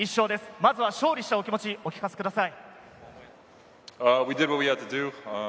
まずは勝利したお気持ちをお聞かせください。